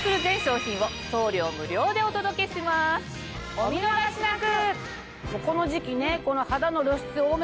お見逃しなく！